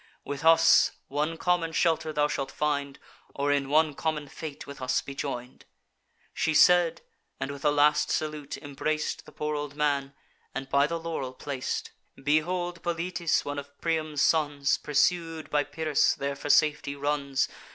With us, one common shelter thou shalt find, Or in one common fate with us be join'd.' She said, and with a last salute embrac'd The poor old man, and by the laurel plac'd. Behold! Polites, one of Priam's sons, Pursued by Pyrrhus, there for safety runs.